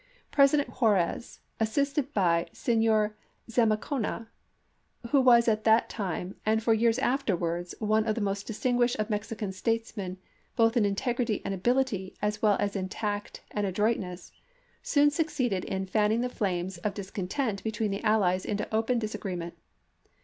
President Juarez, assisted by Senor Zamacona, who was at that time and for years afterwards one ' of the most distinguished of Mexican statesmen both in integrity and ability as well as in tact and adroitness, soon succeeded in fanning the flames of discontent between the allies into open disagree ment.